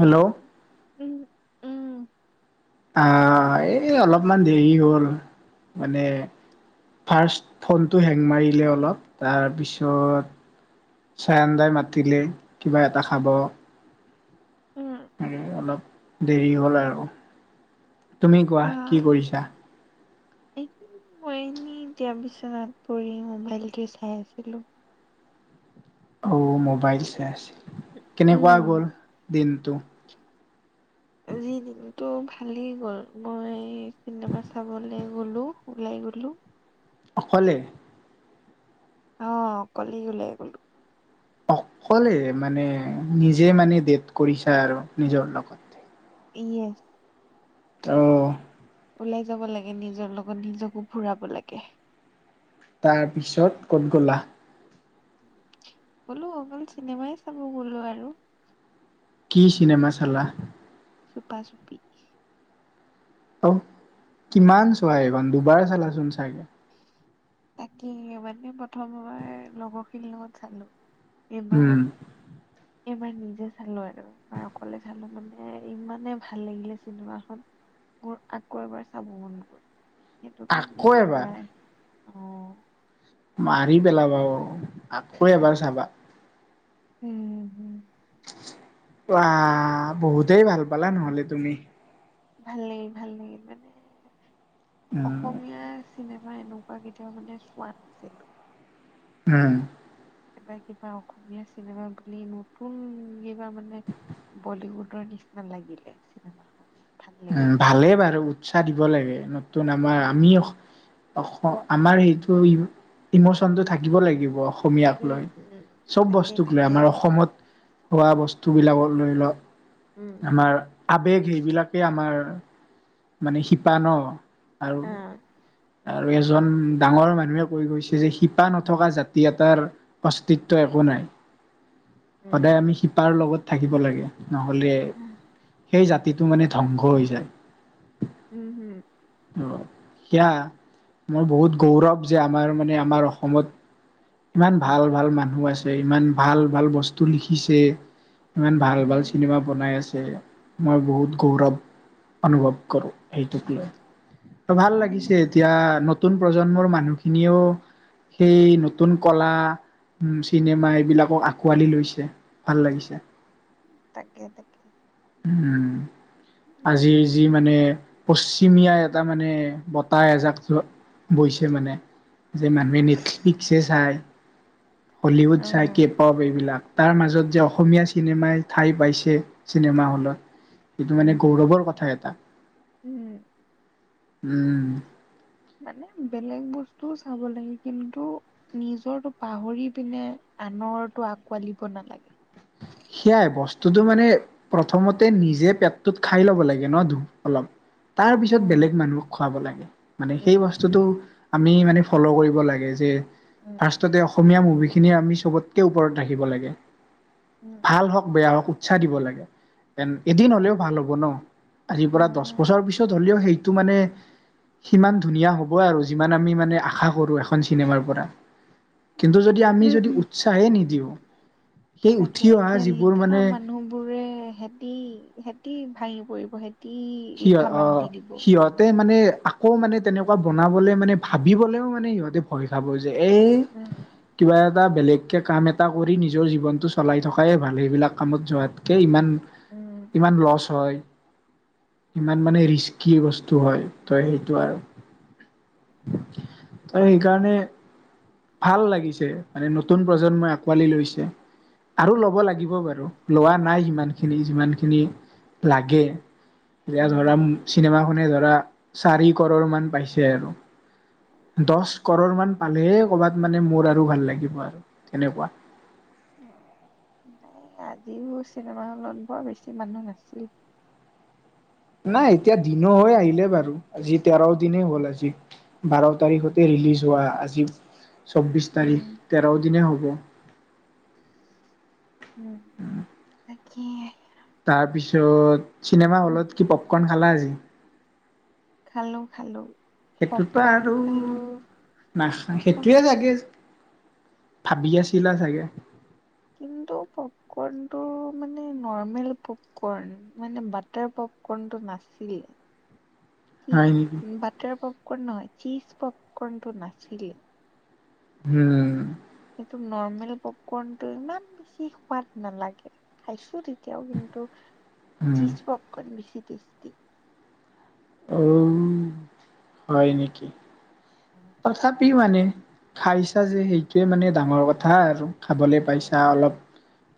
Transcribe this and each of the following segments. Hello উম অ', এই, অলপমান দেৰি হ'ল। মানে ফাৰ্ষ্ট ফোনটো হেং মাৰিলে অলপ, তাৰপিছত চায়নদাই মাতিলেই কিবা এটা খাব। উম সেই অলপ দেৰি হ'ল আৰু। তুমি কোৱা, কি কৰিছা? মই, মই এনে এতিয়া বিচনাত পৰি মোবাইলটো চাই আছিলো। অ', মোবাইল চাই আছিলো, কেনেকুৱা উম, গ'ল দিনটো? লি নিকি? ত, ভালেই গ'ল। মই চিনেমা চাবলৈ গ'লো, ওলাই গলো। অকলে? অ', অকলেই গ'লো। অকলে মানে নিজে মানে ডেট কৰিছা আৰু নিজৰ লগত। ইয়ে। অ', ওলাই যাব লাগে নিজৰ লগত নিজকো ঘুৰাব লাগে। তাৰপিছত ক'ত গলা? গ'লো অকল চিনেমাই চাব গ'লো আৰু। কি চিনেমা চালা? চুপা-চুপি। অ', কিমান চোৱা এইখন দুবাৰ চালাচোন চাগে। তাকে মানে প্ৰথমবাৰ লগৰখিনিৰ লগত চালো। এইবাৰ উম এইবাৰ নিজে চালো আৰু। এবাৰ অকলে চালো মানে ইমানেই ভাল লাগিলে চিনেমাখন। মোৰ আকৌ এবাৰ চাব মন গ'ল। সেইটো আকৌ কাৰণেই এবাৰ এইবাৰ আহি মাৰি পেলাবা অ', আকৌ এবাৰ চাবা। উ, হোঁ। উৱা, বহুতেই ভাল পালা নহ'লে তুমি। ভাল লাগিল ভাল লাগিল মানে উম অসমীয়া চিনেমা এনেকুৱা কেতিয়াও মানে চোৱা নাছিলো। উ। এটা কিবা অসমীয়া চিনেমা বুলি নতুন কিবা মানে বলিউড। ভূতৰ নিচিনা লাগিলে চিনেমাখন। ভাল উ, লাগিলে চাই ভালেই বাৰু উৎসাহ দিব লাগে, নতুন আমাৰ উম আমি অস, অস আমাৰ সেইটো ই- ইমচন টো থাকিব লাগিব। অসমীয়াক উম লয়। উম চব তাকে বস্তুক লয় তাকে আমাৰ অসমত হোৱা বস্তুবিলাকক লৈ লোৱা উম আমাৰ আবেগ সেইবিলাকে আমাৰ, মানে শিপা ন? আৰু? অ আৰু এজন ডাঙৰ মানুহে কৈ গৈছে যে, শিপা নথকা জাতি এটাৰ অস্তিত্ব একো নাই। উম সদায় আমি শিপাৰ লগত থাকিব লাগে, নহ'লে সেই জাতিটো মানে ধ্বংস হৈ যায়। উম, হম। সেয়া মই বহুত গৌৰৱ যে আমাৰ মানে আমাৰ অসমত ইমান ভাল ভাল মানুহ আছে, ইমান ভাল ভাল বস্তু লিখিছে। ইমান ভাল ভাল উম চিনেমা বনাই আছে। তে মই বহুত গৌৰৱ অনুভৱ কৰোঁ, এইটোক লৈ। ভাল নাই লাগিছে নাই এতিয়া নতুন প্ৰজন্মৰ মানুহখিনিও সেই নতুন কলা উম, চিনেমা এইবিলাকক আঁকোৱালি লৈছে, ভাল লাগিছে। তাকেই তাকেই। উম, আজিৰ যি মানে পশ্চিমীয়া এটা এটা মানে বতাহ এজাক বৈছে মানে। যে মানুহে নেটফ্লিক্স হে চায়। হলিউড চাই, উম কে-পপ এইবিলাক। তাৰ মাজত যে অসমীয়া চিনেমাই ঠাই পাইছে, চিনেমা হলত। সেইটো মানে উম গৌৰৱৰ কথা এটা। উম উম। মানে বেলেগ বস্তুও চাব লাগে, কিন্তু নিজৰটো পাহৰি পিনে আনৰটো আকোৱালিব নালাগে। [unintelligible] সেয়াই বস্তুটো মানে প্ৰথমতে নিজে পেটটোত খাই ল'ব লাগে ন ধু অলপ। তাৰ পিছত উম বেলেগ মানুহক খুৱাব লাগে, মানে সেই উম বস্তুটো আমি মানে ফ'ল' কৰিব লাগে যে, উম ফাৰষ্টতে অসমীয়া মুভিখিনি আমি চবতকে ওপৰত ৰাখিব লাগে, উম ভাল হওক বেয়া হওক ইচ্ছা দিব লাগে, এন এদিন হ'লেও ভাল হ'ব নহ, আজিৰ পৰা উম দহ বছৰ পিছত হ'লেও সেই টো মানে সিমান ধুনীয়া হ'ব আৰু যিমান আমি মানে আশা কৰো এখন চিনেমাৰ পৰা। কিন্তু যদি আমি উম যদি উম। উৎসাহে নিদিওঁ, সেই উঠি তাকে অহা এতিয়া যিবোৰ লিখা মানে মানুহবোৰে, হেতি হেতি ভাঙি পৰিব। লিখা সিহত, বাদ দি অ', দিব সিহঁতে মানে আকৌ মানে তেনেকুৱা বনাবলে মানে, ভাবিবলৈও মানে সিহঁতে ভয় খাব। এই উম কিবা এটা বেলেগ কাম এটা কৰি নিজৰ জীৱনটো চলাই থকাইে ভাল, এইবিলাক কামত যোৱাতকে ইমান উম ইমান লচ হয়। ইমান মানে ৰিস্কি বস্তু। হয়, তো সেইটো আৰু, তো সেইকাৰণে ভাল লাগিছে, মানে নতুন প্ৰজন্মই আঁকোৱালি লৈছে। আৰু উম ল'ব লাগিব বাৰু, লোৱা নাই সিমানখিনি যিমানখিনি লাগে। এতিয়া ধৰা উম চিনেমাখনে ধৰা। চাৰি কৰ'ৰ মান পাইছে আৰু, দচ কৰ'ৰ মান পালেহে ক'ৰবাত মানে মোৰ আৰু ভাল লাগিব আৰু তেনেকুৱা। [inaudible] আজিও চিনেমা হলত বৰ বেছি মানুহ নাছিল। নাই, এতিয়া দিনো হৈ আহিলে বাৰু, আজি তেৰ দিনে হ'ল আজি। বাৰ তাৰিখতে ৰিলিজ হোৱা আজি চৌবিশ উম। তাৰিখ, তেৰ দিনে হ'ব। উম, তাকেই। তাৰপিছত চিনেমা হলত, কি পপকৰ্ন খালা আজি? খালো, খাই সেইটোতো আৰু নাখ সেইটোৱেই লাগে ভাবি আছিলা চাগে কি [unintelligible] কিন্তু পপকৰ্ণ টো মানে নৰ্মেল পপকৰ্ণ মানে বাটাৰ পপকৰ্ণ টো নাছিল [inaudible] হয় নেকি বাটাৰ পপকৰ্ণ নহয় চীজ পপকৰ্ণটো নাছিলে। হম। নৰ্মেলী পপকৰ্নটো ইমান বেছি সোৱাদ নালাগে খাইছো। তিও কিন্তু উম চিজ পকক বেছি টেষ্টি। উম হয় নেকি উম, তথাপি মানে খাইছা যে সেইটোৱে মানে ডাঙৰ কথা আৰু। খাবলৈ উম। পাইছা অলপ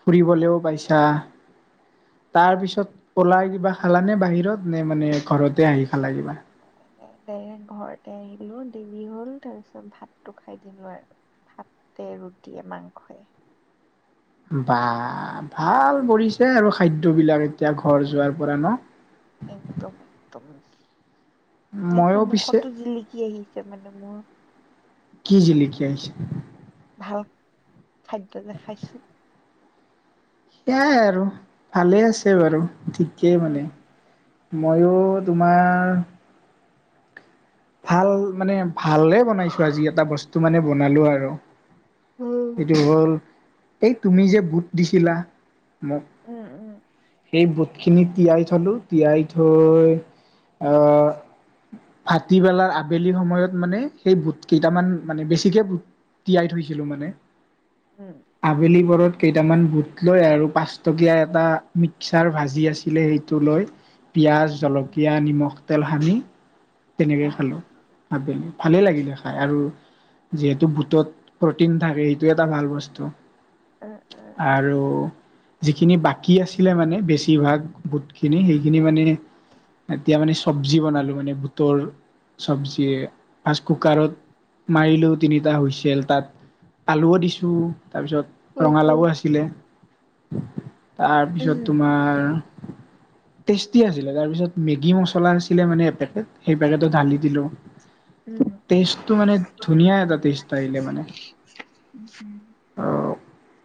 ফুৰিবলৈও পাইছা তাৰ পিছত পলাই কিবা খালানে বাহিৰত নে মানে ঘৰতে আহি ভাল লাগিবা ডাইৰেক্ট ঘৰতে আহিলো দেৰি হ'ল তাৰ পিছত ভাতটো খাই দিলো আৰু। ভাতে ৰুটিয়ে মাংসই। বা ভাল কৰিছে আৰু খাদ্যবিলাক এতিয়া ঘৰ যোৱাৰ পৰা ন। একদম - একদম। ন তোৰ ময়ো পিছে মুখতো জিলিকি আহিছে মানে মোৰ। কি জিলে কি আহ ভাল খাদ্য দেখাইছো। সেইয়াই আৰু ভালে আছে বাৰু ঠিকেই উম। মানে। ময়ো তোমাৰ ভাল মানে ভালে বনাইছো আজি এটা বস্তু মানে বনালো আৰু। উম। সেইটো হ'ল এই তুমি যে বুট দিছিলা। মই উম উম সেই বুটখিনি তিয়াই থলো তিয়াই থৈ। অহ ', ভাটিবেলাৰ আবেলি সময়ত মানে সেই ভূত কেইটামান মানে বেছিকে ভত তিয়াই থৈছিলো মানে উম আবেলি বৰত কেইটামান বুট লৈ আৰু পাচটকীয়া এটা মিক্সাৰ ভাজি আছিলে সেইটো লৈ পিয়াজ উম জলকীয়া নিমখ তেল সানি তেনেকৈ বাহ খালো ভাবেলৈ ভালেই লাগিলে খাই আৰু যিহেতু বুটত প্ৰটিন থাকে সেইটো এটা ভাল বস্তু। উম উম আৰু যিখিনি বাকী আছিলে মানে বেছিভাগ বোটখিনি সেইখিনি মানে এতিয়া মানে চব্জি বনালো মানে বুটৰ চবজিয় ফাষ্ট উম। কুকাৰত মাৰিলেও তিনিটা হুছিল তাত আলুও দিছোঁ তাৰপিছত উম উম। ৰঙালাও আছিলে। তাৰপিছত উম তোমাৰ টেষ্টি আছিলে তাৰপিছত মেগী মচলা আছিলে মানে এপেকেট। সেই পেকেটোত ঢালি উম দিলোঁ উম তেজটো মানে ধুনীয়া এটা তেজ আহিলে মানে। উম উম অ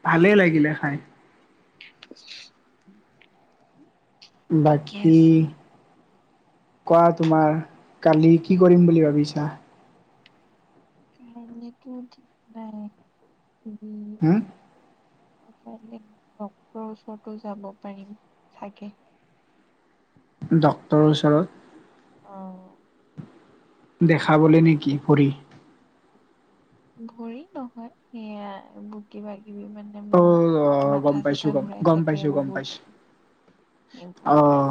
ভালেই লাগিলে খাই। [unintelligible] ঠিকে বাকী আছে। কোৱা তোমাৰ কালি কি কৰিম বুলি ভাবিছা খাইে ক ঠিক নাই এইদি হম [unintelligible] কাইলৈ ডক্তৰৰ ওচৰতো যাব পাৰিম থাকে। ডক্তৰৰ ওচৰত। আহ দেখাবলৈ নেকি পঢ় ভৰি নহয় সেয়া বগী বাগ পৃথৱ মানে অ অ মোৰ গম মাথা পাইছো চাথা ঘূৰাই থাকে বহুত এইবোৰ খাই আহ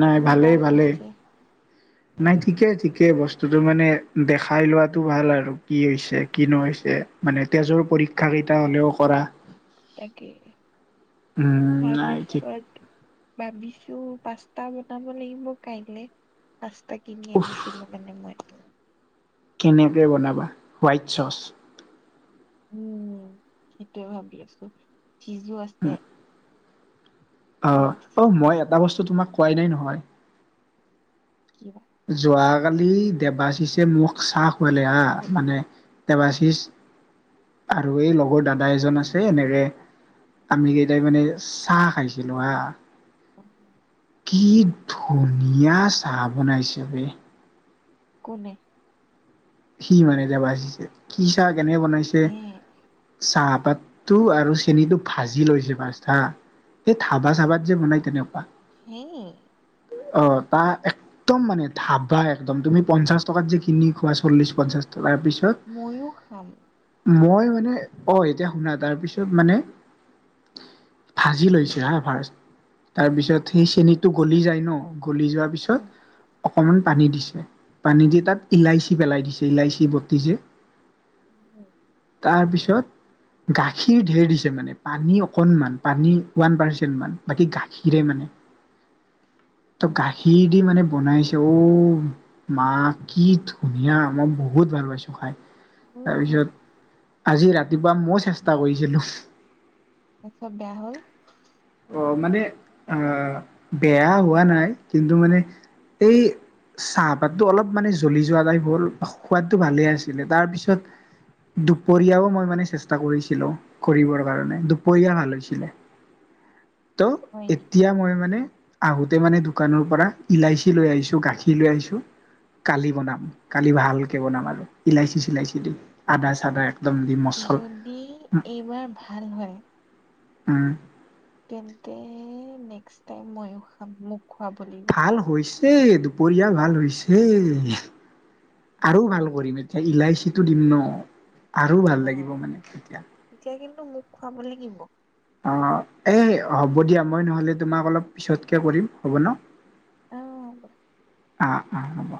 নাই কি বা ভালেই ভালেই হৈছে নাই উম ঠিকেই ঠিকেই বস্তুতটো মানে দেখাই লোৱাাতটো ভাল আৰু কি হৈছে কি নৈ হৈছে মানে তেজৰ পৰীক্ষা কেইটা হ'লেও কৰা তাকে উম নাই ঠিক তাৰপিছত ভাবিছো পাস্তা বনাব লাগিব কাইলে ৰাস্তা কিনি আনিছিলো কাৰণে মই কেনেকে বনাবা হোৱাইট চচ উম সেইটয়ে ভাবি আছো ফিজো আছে আহ অ তাৰপিছত মই এটা বস্তু তোমাক কোৱাই নাই নহয় কি যোৱাকালি দেবাশীষে মোক চাহ খুৱালে হা মানে দেবাশীষ আৰু এই লগৰ দাদা এজন আছে এনেকৰে আমি কেইটাই মানে চাহ খাইছিলো হা উম কি ধুনীয়া চাহ বনাইছ বে কোনে সি মানে যাবািছে কি চাহ কেনেক বনাইছে হে চাপ চপাতটো আৰু চেনটো ভাজি লৈছে পচা সেই ধাবা চাবাত যে বনাই তেনেকুৱা হেই অ তা একদম মানে ধাবা একদম তুমি পঞ্চাশ টকাত যে কিনি খোৱাছ ্ি পাি ময়ো খাম মই মানে অ এতিয়া শুনা তাৰপিছত মানে ভাজি লৈছো হা ভ তাৰ পিছত সেই চেনীতটো গলি যায় ন গ য পিছত উম অকমান পানী দি পানী দি তাতল উঠি পেলাই দিছে ইলাইচি বৰ্তি যে উম তাৰপিছত গাখীৰ ঢেৰ দিছে মানে পানী অকনমান পানী ওৱান পাৰ্চেণ্ট মান বাকী গাখীৰে মানে [inaudible] ত গাখীৰ দি মানে বনাইছে অঔ মা কি ত ধুনীয়া মমই বহুত ভাল পাইছোঁ খাই ময়ো খাম তাৰপিছত আজি ৰাতি ৰাতিপা মই চেষ্টা কৰিছিলো চব বেয়া হ'ল অ মানে আহ বেয়া হোৱা নাই কিন্তু মানে এই চাহপাতো অলপ মানে জ্বলি যোৱা াই হ'ল সোৱাদটো ভালে আছিলে তাৰ পিছত দুপৰীয়াও মই মানে চেষ্টা কৰিছিলো কৰিবৰ কাৰণে দুপৰীয়া ভাল হৈছিলে ত' হয় এতিয়া মই মানে আগোতে মানে দোকানৰ পৰা ইলাচি লৈ আহিছো গাখীৰ লৈ আহিছো কালি বনাম কালি ভালকে বনাম আৰু ইলাচি চিলাইচি দি আদা চাদা এক যদি এইবাৰ ভাল হয় হ তেন্তে নেক্স টাইম মইো খাম মোক খুৱাব লাগিব। ভাল হৈছে দুপৰীয়া ভাল হৈছে আৰু ভাল কৰিম এতিয়া ইলাইচিটো দিম ন আৰু ভাল অ লাগিব মানে তেতিয়া এতিয়া কিন্তু মোক খুৱাব লাগিব। অ, এই হ'ব দিয়া মই নহ'লে তোমাক অলপ পিছতকে কৰিম হ'ব ন? অ, অ', অ', হ'ব।